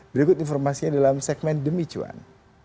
berikut informasinya dalam segmen demi cuan